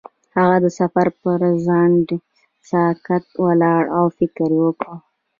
هغه د سفر پر څنډه ساکت ولاړ او فکر وکړ.